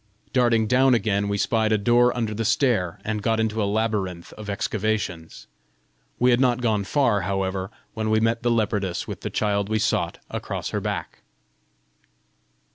Darting down again, we spied a door under the stair, and got into a labyrinth of excavations. We had not gone far, however, when we met the leopardess with the child we sought across her back.